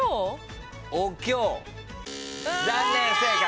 残念不正解。